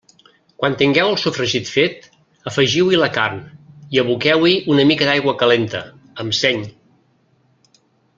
Quan tingueu el sofregit fet, afegiu-hi la carn i aboqueu-hi una mica d'aigua calenta, amb seny.